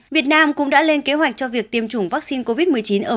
việt nam cũng đã lên kế hoạch cho việc tiêm chủng vaccine covid một mươi chín ở